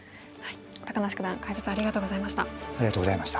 高梨九段解説ありがとうございました。